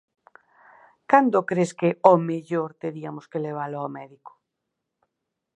Cando cres que "ó mellor" teríamos que levalo ó médico?